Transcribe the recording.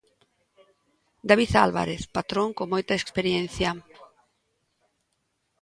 David Álvarez, patrón con moita experiencia.